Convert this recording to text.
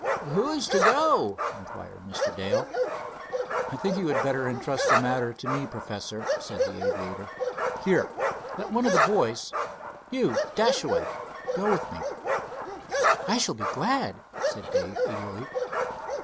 "Who is to go?" inquired Mr. Dale. "I think you had better entrust the matter to me, Professor," said the aviator. "Here, let one of the boys—you, Dashaway—go with me." "I shall be glad," said Dave, eagerly.